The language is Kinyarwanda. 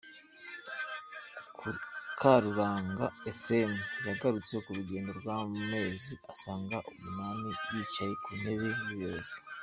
Karuranga Ephrem, yagarutse ku rugendo rw’amezi asaga umunani, yicaye ku ntebe y’ubuyobozi.